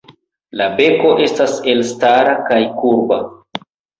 La beko estas elstara kaj kurba.